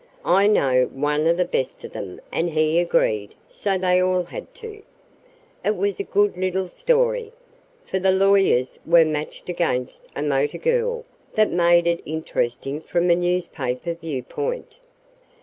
I know one of the best of them, and he agreed, so they all had to. It was a good little story, for the lawyers were matched against a motor girl. That made it interesting from a newspaper viewpoint.